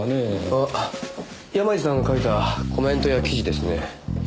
あっ山路さんが書いたコメントや記事ですね。